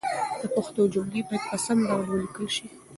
د پښتو جملې باید په سم ډول ولیکل شي.